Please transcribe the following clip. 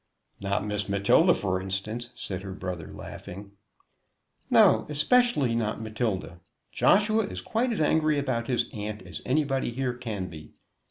"Not Miss Matilda, for instance," said her brother, laughing. "No, especially not Matilda. Joshua is quite as angry about his aunt as anybody here can be.